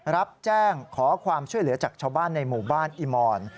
รับแจ้งขอความช่วยเหลือจากชาวบ้านในหมู่บ้านอิมอน